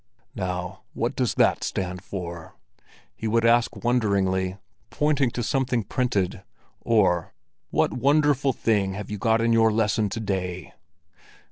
"Now what does that stand for?" he would ask wonderingly, pointing to something printed; or "What wonderful thing have you got in your lesson to day?"